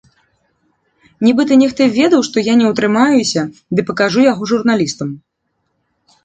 Нібыта нехта ведаў, што я не ўтрымаюся ды пакажу яго журналістам.